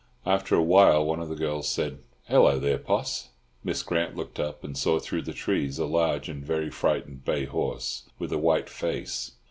After a while one of the girls said, "Hello, there's Poss!" Miss Grant looked up, and saw through the trees a large and very frightened bay horse, with a white face.